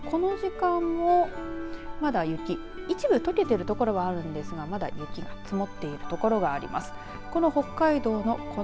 そして、この時間もまだ雪一部とけている所はありますがまだ雪が積もっている所があります。